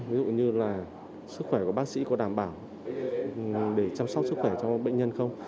ví dụ như là sức khỏe của bác sĩ có đảm bảo để chăm sóc sức khỏe cho bệnh nhân không